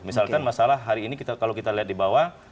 misalkan masalah hari ini kalau kita lihat di bawah